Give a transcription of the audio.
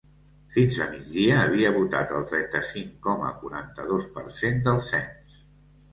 Fins a migdia havia votat el trenta-cinc coma quaranta-dos per cent del cens.